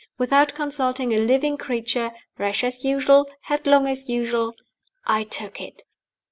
Without consulting a living creature rash as usual, headlong as usual I took it.